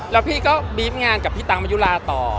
แล้วพี่ก็บีฟงานกับพี่ตังมายุลาต่อ